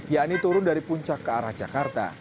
yakni turun dari puncak ke arah jakarta